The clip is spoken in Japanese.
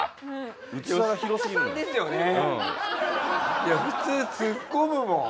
いや普通ツッコむもん。